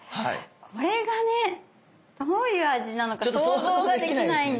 これがねどういう味なのか想像ができないんだけど。